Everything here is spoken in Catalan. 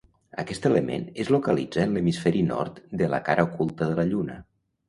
Aquest element es localitza en l'hemisferi nord de la cara oculta de la Lluna.